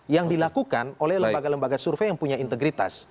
yang dilakukan oleh lembaga lembaga survei yang punya integritas